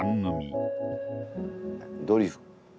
「ドリフ」